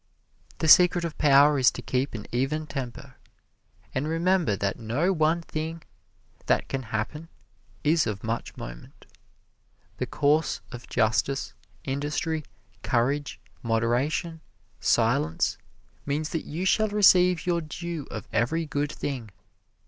The secret of power is to keep an even temper, and remember that no one thing that can happen is of much moment. The course of justice, industry, courage, moderation, silence, means that you shall receive your due of every good thing.